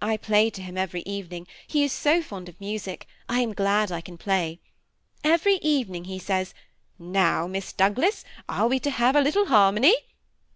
I play to him every evening ; he is so fond of music, I am glad I can play. Every evening he says, ' Now, Miss Douglas, are we to have a little harmony